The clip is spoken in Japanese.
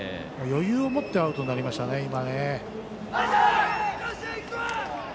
余裕を持ってアウトになりましたね、今。